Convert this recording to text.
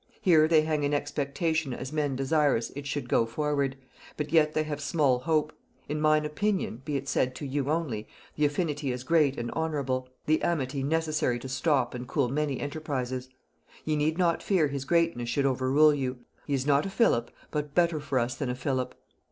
Here they hang in expectation as men desirous it should go forward, but yet they have small hope: In mine opinion (be it said to you only) the affinity is great and honorable: The amity necessary to stop and cool many enterprises. Ye need not fear his greatness should overrule you; he is not a Philip, but better for us than a Philip.